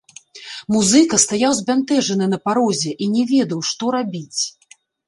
Музыка стаяў збянтэжаны на парозе і не ведаў, што рабіць.